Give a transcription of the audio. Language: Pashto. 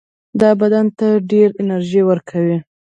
دا بدن ته ډېره انرژي ورکوي.